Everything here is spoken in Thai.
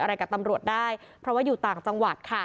อะไรกับตำรวจได้เพราะว่าอยู่ต่างจังหวัดค่ะ